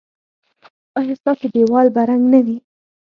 ایا ستاسو دیوال به رنګ نه وي؟